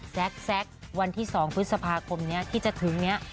แซ็กวันที่๒พฤษภาคมนี้ที่จะถึงนี้